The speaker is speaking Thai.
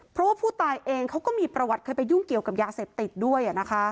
เพราะว่าผู้ตายเองเขาก็มีประวัติเคยไปยุ่งเกี่ยวกับยาเสพติดด้วย